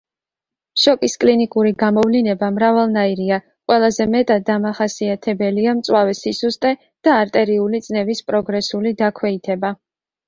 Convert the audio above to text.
შოკის კლინიკური გამოვლინება მრავალნაირია; ყველაზე მეტად დამახასიათებელია მწვავე სისუსტე და არტერიული წნევის პროგრესული დაქვეითება.